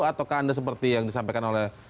ataukah anda seperti yang disampaikan oleh